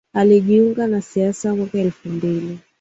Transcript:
Alijiunga na siasa mwaka elfu mbili